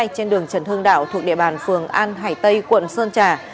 trên đường trần hương đạo thuộc địa bàn phường an hải tây quận sơn trà